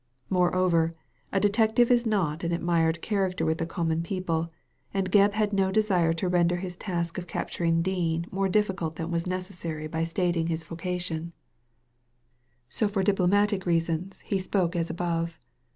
Moreover, a detective is not an admired character with the common people, and Gebb had no desire to render his task of capturing Dean more difficult than was necessary by stating his vocation ; Digitized by Google 2i6 THE LADY FROM NOWHERE so for diplomatic reasons he spoke as above.